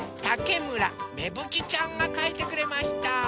たけむらめぶきちゃんがかいてくれました。